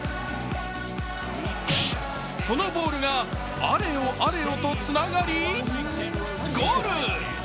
そのボールがあれよあれよとつながり、ゴール！